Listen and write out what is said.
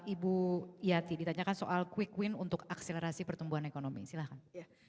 ibu yati ditanyakan soal quick win untuk akselerasi pertumbuhan ekonomi silahkan